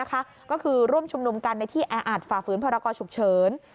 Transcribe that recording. ก็คือร่วมชุมนุมกันในที่แออัดฝ่าฝืนพรกรฉุกเฉิน